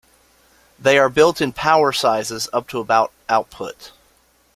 They are built in power sizes up to about output.